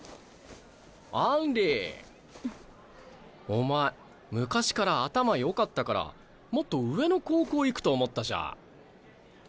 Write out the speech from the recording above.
お前昔から頭よかったからもっと上の高校行くと思ったじゃ。